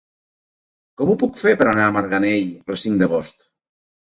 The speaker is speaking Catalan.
Com ho puc fer per anar a Marganell el cinc d'agost?